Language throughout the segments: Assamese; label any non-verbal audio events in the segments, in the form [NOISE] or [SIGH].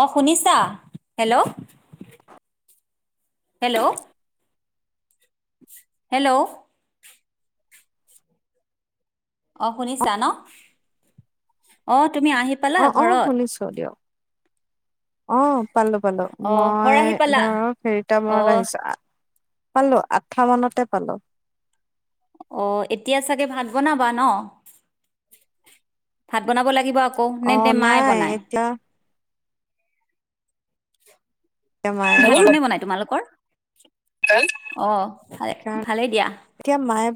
অ শুনিছা হেল্ল' হেল্ল' হেল্ল' অ শুনিছা ন অ তুমি আহি পালা অ অ ঘৰত শুনিছো দিয়ক অ পালো পালো অ ঘৰ মই আহি পালা ধৰ অ ফেৰিটামৰত আহিছো পালো আঠা মানতে পালো অ এতিয়া চাগে ভাত বনাবা ন ভাত বনাব লাগিব আ- অ নাই এতিয়া এতিয়া মায়ে বনাই [INAUDIBLE] ভাত কোনে বনাই তোমালোকৰ? অ ভালে সেইকাৰণে ভালেই দিয়া। এতিয়া মায়ে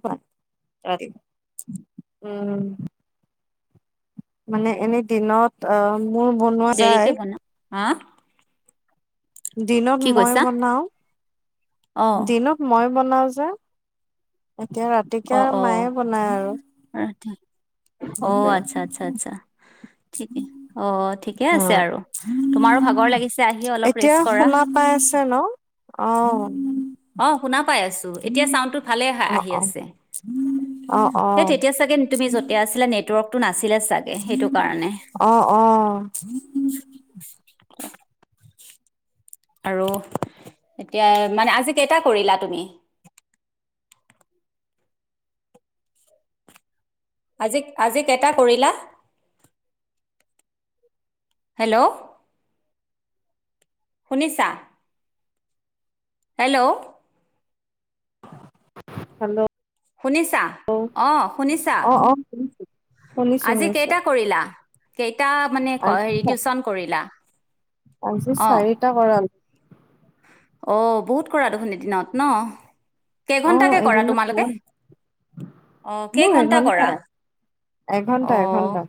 উম মানে এনে দিনত অ মোৰ বনোৱা দেৰিকে যাই বনা হা দিনত কি মই কৈছা বনাও। অ দিনত মই বনাও জে এতিয়া ৰাতিকে অ আৰু অ মায়ে বনায় আৰু অ সেইটোৱে আচ্ছা আচ্ছা আচ্ছা ঠিকে অ ঠিকে আছে আৰু তোমাৰো ভাগৰ উম লাগিছে আহি অলপ এতিয়া ৰেষ্ট কৰা শুনা পাই আছে ন অ অ শুনা পাই আছো এতিয়া চাউণ্ডটো ভালে আহি অ আছে অ অ অ হেই তেতিয়া চাগে তুমি যতে আছিলা নেট- ৱৰ্কটো নাছি- অ অ অ আৰু এতিয়া মানে আজি কেইটা কৰিলা তুমি? আজি আজি কেইটা কৰিলা? হেল্ল' শুনিছা হেল্ল' হেল্ল' শুনিছা অ শুনিছা অ', অ', শুনিছোঁ, শুনিছোঁ, আজি শুনিছোঁ। কেইটা কৰিলা কেইটা মানে হেৰি টিউচন কৰিলা পচি অ চাৰিটা কৰালো অ বহুত কৰা দেখুন ৰ দিনত ন অ', কেইঘন্টাকে কৰা এদিনত তোমালোকে হ'ল অ মোৰ কেইঘন্টা কৰা এঘন্টাই, এঘন্টা, অ এঘন্টা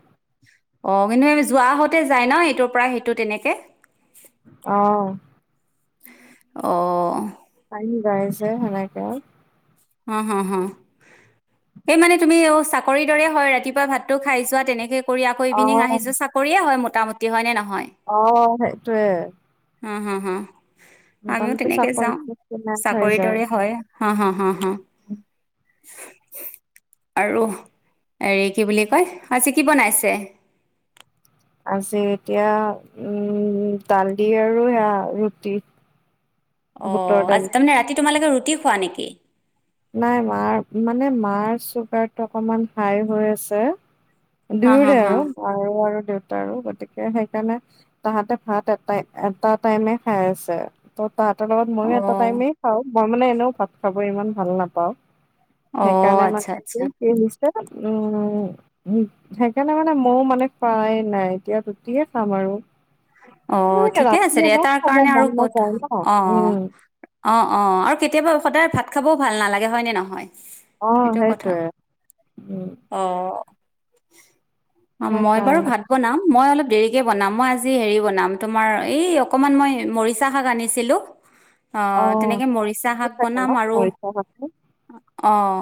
অ কিন্তু আমি যোৱাহঁতে যায় ন এইটোৰ পৰা সেইটো তেনেকে অ'। অ' পাই নি গ়িছে সেনেকে আৰু অ হ হ এই মানে তুমি অ চাকৰিৰ দৰে হয় ৰাতিপুৱা ভাতটো খাই যোৱা তেনেকে কৰি আকৌ ইভিনিং আহিছো চাকৰিয়ে হয় মোটামুটি হয় নহয় আহ সেইটোৱে হা হা হা আমিও তেনেকে চাকৰি যাও কিমান হৈ চাকৰি যায়। দৰে হয় হা হা হা হ আৰু হৰি কি বুলি কয় আ চি কি বনাইছে আজি এতিয়া উম দাল দি আৰু সেয়া ৰুটি অ বুটৰ দালি। তাৰমানে ৰাতি তোমালোকে ৰুটি খোৱা নেকি নাই মাৰ মানে মাৰ চুগাৰটো অকণমান হাই হৈ আছে হা হা দুয়োৰে হা আৰু ম আৰু দেউতাৰো গতিকে সেইকাৰণে তাহাঁতে ভাত এটা এটা টাইমে খাই আছে ত তাহতৰ লগত অ মইও এটা টাইমে খাওঁ মই মানে এনেও ভাত খাব ইমান ভাল নাপাওঁ অ সেইকাৰণে আচ্ছা মানে আচ্ছা কি উম সেইকাৰণে মানে ময়ো মানে খোৱাই নাই এতিয়া তিয়ে খাম আৰু অ মানে ঠিকে ৰাতি আছে এনেও দিয়াতাৰ খাব কাৰণে আৰু মন কত নাযায় ন অ উম অ অ আৰু কেতিয়াবা সদায় ভাত খাবও ভাল নালাগে হয়নে নহয় আহ সেইটো কথা সেইটোৱে উম [INAUDIBLE] অ মই বাৰু সেইকাৰণে ভাত বনাম মই অলপ দেৰিকে বনাম মই আজি আজি হেৰি বনাম তোমাৰ এই অকমান মই মৰিচা শাক আনিছিলো অ তেনেকে মৰিচা আছে শাক চাগে ন বনাম আৰু মৰিচা শাকটো অহ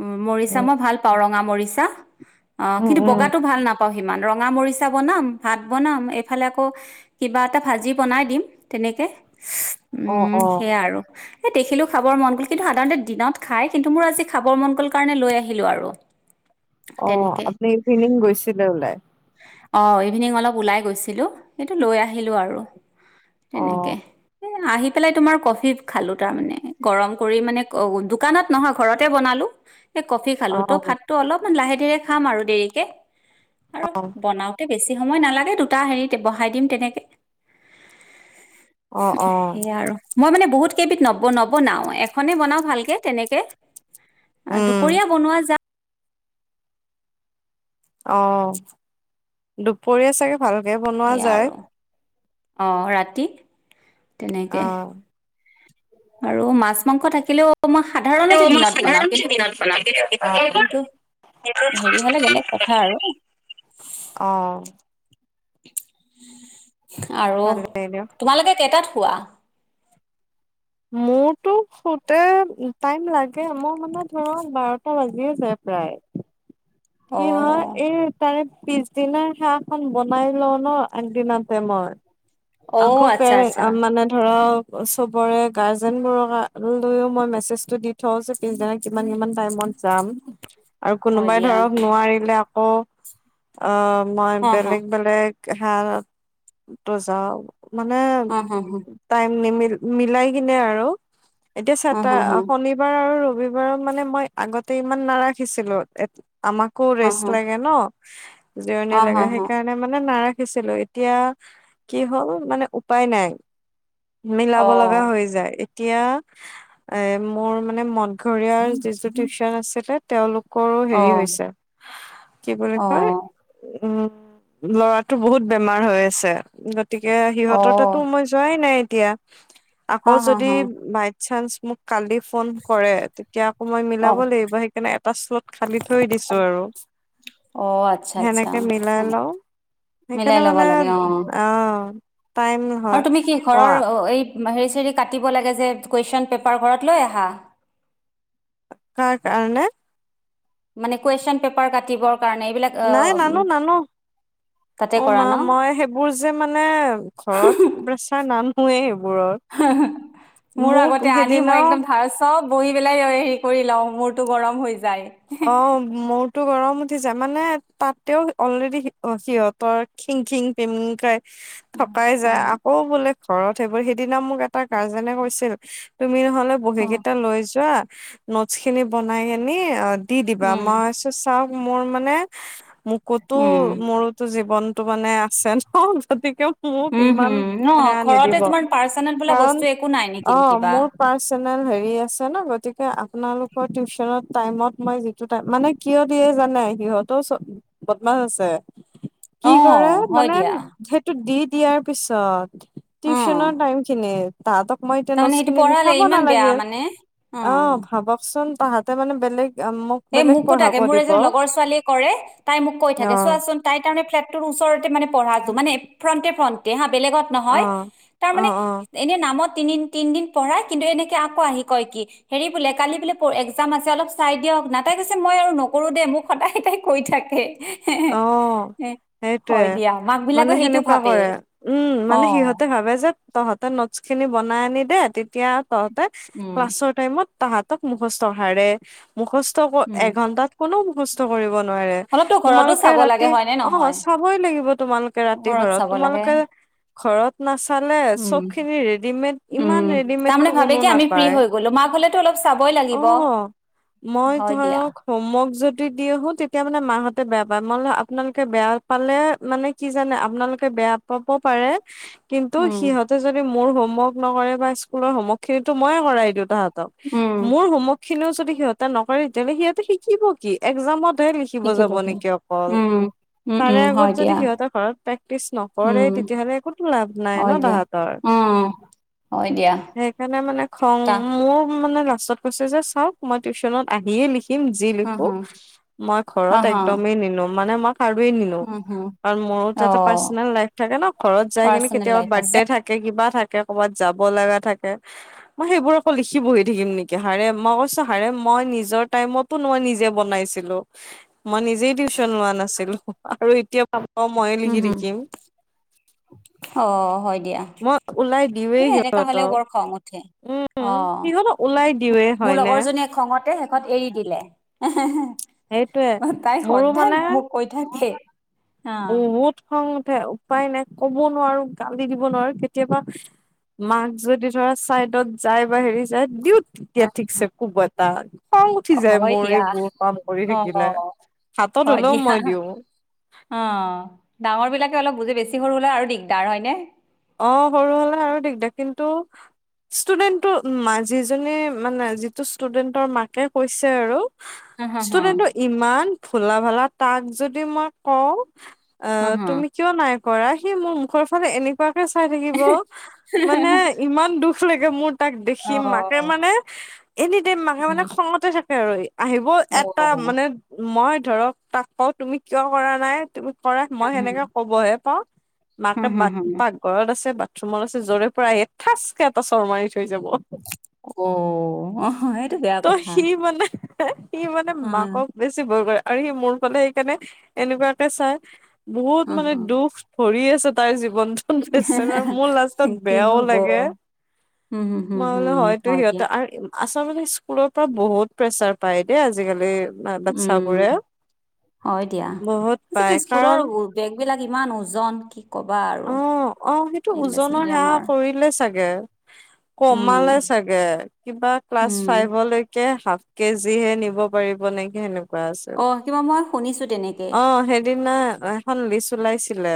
উম মৰিচা উম মই ভাল পাওঁ ৰঙা মৰিচা পইছা অ উম কিন্তু উম বগাটো ভাল নাপাওঁ সিমান ৰঙা মৰিচা বনাম ভাত বনাম ইফালে আকৌ কিবা এটা ভাজি বনাই দিম তেনেকে অ উম অ সেয়া আৰু এ দেখিলো খাবৰ মন গ'ল কিন্তু সাধাৰণতে দিনত খাই কিন্তু মোৰ আজি খাবৰ মন গল কাৰণে লৈ আহিলো আৰু অ তেনেকে আপুনি ইভিনিং গৈছিলে ওলাই অ ইভিনিং অলপ ওলাই গৈছে ছিলো সেইটো লৈ আহিলো আৰু অ তেনেকে এ আহি পেলাই তোমাৰ কফি খালো তাৰ মানে গৰম কৰি মানে দোকানত নহয় ঘৰতে বনালো এ কফি খালো অ তো ভাতটো অলপমান লাহেকে ৰে খাম আৰু দেৰিকে আৰু অ বনাওঁতে বেছি সময় নালাগে তো সূতা হেৰিতে বহাই দিম তেনেকে অ অ সেইয়া আৰু মই মানে বহুত কেইবিধ নব নবনাও এখনেই বনাওঁ ভালকে তেনেকে উম দুপৰীয়া বনোৱা যাম অ দুপৰীয়া চাগে ভালকে বনোৱা যায় অঁ ৰাতি অ তেনেকে আৰু মাছ মাংস থাকিলেও মই সাধাৰণতে মই দিনত বনাওঁ সাধাৰণতে কিন্তু দিনত কিন্তু হেৰি হলে বেলেগ কথা আৰু বনাওঁ [INAUDIBLE] আৰু ভালে দিয়ক তোমালোকে কেইটাত ৱাহ মোৰতো শুতে টাইম লাগে মোৰ মানে ধৰক বাৰটা বাজিয়ে যায় প্ৰায় অ কিহয় এই তাৰে পিছদিনা হাঁ খন বনাই লওঁ ন আগদিনাতে মৰ। অ আকৌ পে আচ্ছা আচ্ছা মানে ধৰক চবৰে গাৰ্জেনবোৰক লৈও মই মেছেজটো দি থওঁ যে পিচদিনা কিমান-কিমান টাইমত যাম। আৰু হয় কোনোবাই দিয়া ধৰক [UNINTELLIGIBLE] আকৌ, অ। মই অ হ বেলেগ-বেলেগ হাৰত ও যাও। মানে অ হ হ টাইম নিমি মিলাই কিনে আৰু এতিয়া অ চেতটা হ হ শনিবাৰ আৰু ৰবিবাৰৰ মানে মই আগতে ইমান নাৰাখিছিলো এ আমাকো অ ৰেষ্ট হ লাগে ন। জিৰণি অ লাগে। হ হ সেইকাৰণে মানে নাৰ দিছিলো এতিয়া কি হ'ল মানে উপায় নাই। অ মিলাব লগা হৈ যায়। এতিয়া এ মোৰ মানে মদঘৰীয়াৰ যিটো টিউচন আছিলে তেওঁলোক কৰো অ হেৰি হৈছে [UNINTELLIGIBLE] কি বুলি অ কয় উম, ল'ৰাটো বহুত বেমাৰ হৈ আছে। গতিকে অ সিহঁতৰ তাতো মই যোৱাই নাই। এতিয়া হ আকৌ হ যদি হ বাই চান্স মোক কালি ফোন কৰে, তেতিয়া আকৌ মই অ মিলাব লাগিব সেইকাৰণে এটা শ্লত খালি থৈ দিছো আৰু অ আচ্ছা আচ্ছা সেনেকে মিলাই লও সেইকাৰণে মিলাই ল'ব মানে লাগে অ টাইম হয় আৰু তুমি কি অ ঘৰৰ এই হেৰি চিৰি কাটিব লাগে যে? কুৱেশন পেপাৰ ঘৰত লৈ আহা? কাৰ কাৰণে? মানে কুৱেশন পেপাৰ কাটিবৰ কাৰণে এইবিলাক নাই অ', উম, নানো, নানো। তাতে অ কৰা মা ন? মই সেইবোৰ যে মানে ঘৰত প্ৰেচাৰ নান মই এ মোৰ আগতে আনি মই সেইদিনাও একদম ধাৰ চব বহি পেলাই হেৰি কৰি লও, মূৰতো গৰম হৈ যা অ মোৰতো গৰম উঠি যায় মানে তাতেও অলৰেডি সিহঁতৰ খিং খিং পিমং খাই। থকাই যায় উম, আকৌ বোলে। ঘৰত সেইবোৰ সেইদিনা মোক এটা গাৰ্জেনে কৈছিল। তুমি নহলে বহী অ', কেইটা লৈ যোৱা নটছ খিনি বনাই আনি দি দিবা উম, মই চাওক মোৰ মানে ক'তো উম, মোৰতো জীৱন টো মানে আছে ন গতিকেও উম হম ন ঘৰতে তোমাৰ পাৰ্চনেল বোলা কাৰণ বস্তু একো নাই নেকি কিবা। হে আছে ন গতিকে আপোনালোকৰ টিউচনত টাইমত মই যিটো টাই মানে কিয় দিয়ে জানে সিহঁতও বদমাছ আছে। কি কৰে অ', হয় মানে দিয়া সেইটো দি দিয়াৰ পিছত টিউশনৰ অ', টাইম খিনি। তাহাটক মই এতিয়া নোট তাৰমানে সেইটো খিনি পঢ়ালে লিখাব ইমান বেয়া নালাগিল। মানে অ ভাবকচোন তাহাতে মানে বেলেগ। মোক এ বেলেগ মোকো থাকে পঢ়াব মোৰ দিব এজন লগৰ অ', ছোৱালীয়ে কৰে তাই মোক কৈ থাকে অ', চোৱাচোন তাই স কাৰণ ফ্লেট ওচৰত মানে পঢ়াটো মানে ফ্ৰণ্টে ফ্ৰ তেওঁ বেলেগ ত নহয়, তাৰ অ', মানে অ', এনেই নামত? তিন তিন দিন পঢ়াই কিন্তু এনেকে আকৌ আহি কয় কি হেৰি বোলে কালি বোলে একজাম আছে অলপ চাই দিয়ক না তাই কৈছে মই আৰু নকৰো দে মোক সদায় তাই কৈ থাকে। অ সেইটোৱে হয় দিয়া মাক মানে বিলাকে সেইটো সেনেকুৱা ভাবে কৰে উম অ মানে সিহঁতে ভাবে যে তহঁতে নোটচ খিনি বনাই আনি দে তেতিয়া তহঁত উম ক্লাছৰ টাইমত তাহাঁতক মুখ চহাৰে। মুখস্থ উম এঘণ্টাত কোনো কষ্ট কৰিব নোৱাৰে। অলপতো ঘৰতো তোমালোকে চাব লাগে ৰাতি হয় নে অ নহয় চাবই লাগিব তোমালোকে ৰাতি ঘৰত চাব লাগে তোমালোকে ঘৰত নাচালে উম চবখিনি ৰেডিমেড উম, ইমান তাৰমানে ৰেডিমেডটো ভাবে কোনো কি আমি ফ্ৰী নাপায়। হৈ গ'লো মাক হলেতো অলপ চাবই অ লাগিব। মই হয় দিয়া, ধৰক সমক য দি আহো তেতিয়া মানে মাহতে বেয়া পায় মই আপোনালোকে বেয়া পালে মানে কি জানে আপোননালোকে বেয়া পাব পাৰে [UNINTELLIGIBLE] কিন্তু উম, সিহঁতে যদি মোৰ হ হোমৱৰ্ক নকৰে বা স্কুলৰ হমৱৰ্কিনিতো ময়ে কৰাই দিওঁতাহাঁত ত উম, মোৰ হোমৰ্ক খিনিও যদি সিহঁত নকৰে তেতিয়াহলে সিহতে শিকিব কি এক্জামত লিখিব শিকিব যাব সি। নেকি অকল উম, উম, [UNINTELLIGIBLE] উম, হয় দিয়া, সিহঁতে পাক্টিছ উম, নকৰেই তেতিয়াহলে কতনো পাৰিব ন হয় দিয়া। সিহঁতৰ উম, হয় দিয়া, সেইকাৰণে মানে মোৰ তা খংত মানে [UNINTELLIGIBLE] াছত [UNINTELLIGIBLE] কছে যে চাওক মই টিউচনত আহিয়ে লিখি যি হুম, লিখোঁ হুম, মই অ, ঘৰত হ, আকদমেই নিলিখো মানে মই [UNINTELLIGIBLE] ো হুম, হুম, আৰু মোৰো অ, এটা পাৰ্চনেল লাইফ থাকে ন ঘৰত যাই কিনে পাৰ্চনেল কেতিয়াবা লাইফ আছে। বাৰ্থডে থাকে কিবা থাকে ক'ৰবাত যাব লগা থাকে মই সেইবোৰ আকৌ লিখি বহি থাকিম নেকি হাৰে মই কৈছো হাৰে মই নিজৰ টাইমতো মই নিজে বনাইছিলো মই নিজেই টিউচন লোৱা নাছিলো আৰু এতিয়া মই হুম, লকি হুম, থিকিম অ, হয় দিয়া, মই ওলাই দিয়ে এ এনেকা হলেও সিহঁতক বৰ খং উঠে। উম অ, সিহতক ওলাই দিওঁৱে মোৰ হয়নে লগৰজনীয়ে খঙতে শেষত এৰি দিলে সেইটোয়ে হ হ তাই সদায় মোক কৈ থাকে উ অ, উট খ উপায় নাই ক'ব নোৱাৰো গালি দিব নোৱাৰো কেতিয়াবা মাক যদি ধৰা চাইডত যায় বা হেৰি যায় দিওঁ [UNINTELLIGIBLE] এতিয়া ঠিকছে কব এটা খং উঠি যায় হয় মোৰ দিয়া। এইবোৰ কাম কৰি অ, থাকিলে হাতত হয় হলেও দিয়া। মই দিওঁ [UNINTELLIGIBLE] ডাঙৰ বিলাকে অলপ বুজে বেছি সৰু ল আৰু দিগদাৰ হয়নে অ সৰু হলে আৰু দিগদাৰ কিন্তু ষ্টুডেন্টটো যিজনী মানে যিটো ষ্টুডেন্টৰ মাকে কৈছে আৰু হা, [UNINTELLIGIBLE] হা, হা, ষ্টুডেন্টটো ইমান ফুলা ভালা তাক যদি মই কওঁ অ হা, হা। তুমি কিয় নাই কৰা সি মোৰ মুখৰ ফালে এনে আই থাকিব মানে ইমান দুখ াগে ম [UNINTELLIGIBLE] তাক দেখি অ, মাকে মানে এনি টাইম মাকে মানে উম, খঙতে থাকে আৰু আহিব অ, এটা মানে মই ধৰক তাক ক তুমি কিয় কৰা নাই তুমি। কৰে হু, মই সেনেকে কবহে পাওঁ হু, মাকে হু, বা হু, হু। ঘৰত আছে বাথৰুমত আছে য'ৰে পৰা এ ঠাঁচকে এটা চৰ মাৰি থৈ যাব অ-অ এইটো বেয়া কথা। ই মানে অ, মাকক বেছি ভয় কৰে। আৰু সি মোৰ ফালে সেইকাৰণে এনেকুৱাকে চাই। বহুত হা, মানে হা। দুখ ভৰি আছে। তাই জীৱন মোৰ লাষ্টত কি বেয়াও হ'ব? লাগে। হু, হু, হু, মই হু, বোলে হয়তো হয় দিয়া। সিহঁতে আচলতে স্কুলৰ পৰা বহুত প্ৰেচাৰ পায় দেই, আজিকালি উম, বাচ্ছাবোৰে হয় দিয়া বহুত পায় স্কুলৰ কাৰণ বেগ বিলাক ইমান ওজন কি ক'বা আৰু অ-অ সেইটো ইংলিছ ওজনৰ সেৱা মিডিয়ামৰ। কৰিলে চাগে। উম, কমালে চাগে কিবা ক্লাছ উম। ফাইভলৈকে হা কেজি হে নিব পাৰিব নেকি সেনেক অ কিবা মই শুনিছোঁ তেনেকে অ সেইদিনা এখন লিষ্ট চলাইছিলে।